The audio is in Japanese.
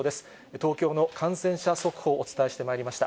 東京の感染者速報をお伝えしてまいりました。